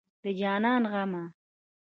د جانان غمه